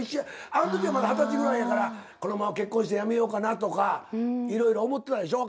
あの時はまだ二十歳ぐらいやからこのまま結婚してやめようかなとかいろいろ思ってたでしょ？